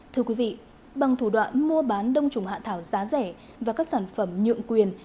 thưa quý vị bằng thủ đoạn mua bán đông trùng hạ thảo giá rẻ và các sản phẩm nhượng quyền